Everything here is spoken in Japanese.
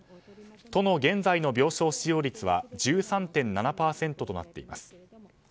都の現在の病床使用率は１３．７％となっています。